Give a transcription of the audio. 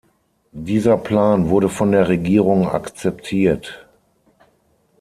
Dieser Plan wurde von der Regierung akzeptiert.